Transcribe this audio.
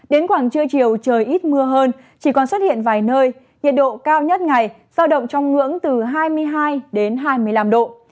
đến khoảng trưa chiều trời ít mưa hơn chỉ còn xuất hiện vài nơi nhiệt độ cao nhất ngày sao động trong ngưỡng từ hai mươi hai đến hai mươi năm độ